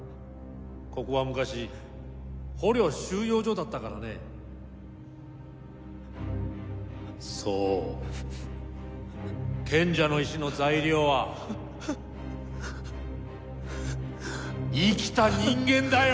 ここは昔捕虜収容所だったからねそう賢者の石の材料は生きた人間だよ！